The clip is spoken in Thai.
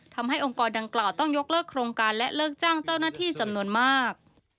องค์กรดังกล่าวต้องยกเลิกโครงการและเลิกจ้างเจ้าหน้าที่จำนวนมาก